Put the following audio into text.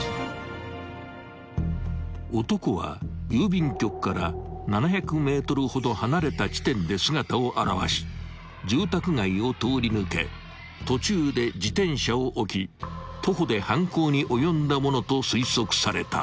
［男は郵便局から７００ｍほど離れた地点で姿を現し住宅街を通り抜け途中で自転車を置き徒歩で犯行に及んだものと推測された］